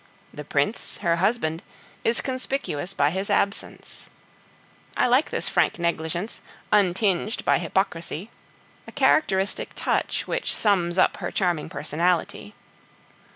The Prince, her husband, is conspicuous by his absence. I like this frank negligence, untinged by hypocrisy a characteristic touch which sums up her charming personality.